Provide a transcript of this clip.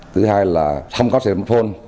thứ hai là không có xe máy phone